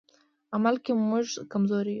عمل کې موږ کمزوري یو.